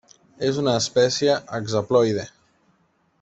És una espècie hexaploide.